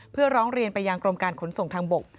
เพื่อร้องเรียนไปยังกรมการขนส่งทางบก